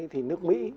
thì nước mỹ